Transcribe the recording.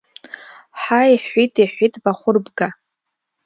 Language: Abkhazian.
Ҳа иҳәит, иҳәит, Бахәырбга.